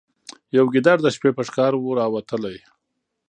یو ګیدړ د شپې په ښکار وو راوتلی